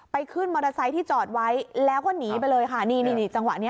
ขึ้นมอเตอร์ไซค์ที่จอดไว้แล้วก็หนีไปเลยค่ะนี่นี่จังหวะนี้